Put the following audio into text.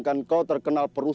yang memberitu masalah